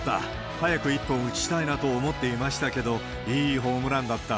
早く１本打ちたいなと思っていましたけど、いいホームランだった。